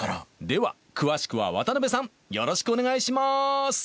「では詳しくは渡辺さんよろしくお願いしまーす！」